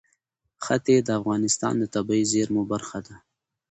ښتې د افغانستان د طبیعي زیرمو برخه ده.